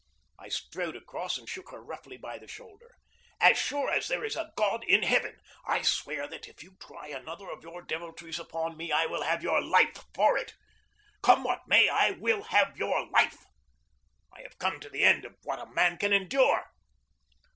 I strode across and shook her roughly by the shoulder "As sure as there is a God in heaven, I swear that if you try another of your deviltries upon me I will have your life for it. Come what may, I will have your life. I have come to the end of what a man can endure."